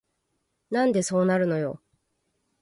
なんでそうなるのよ